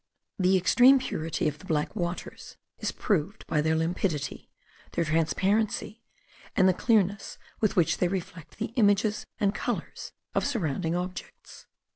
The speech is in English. The extreme purity of the black waters is proved by their limpidity, their transparency, and the clearness with which they reflect the images and colours of surrounding objects.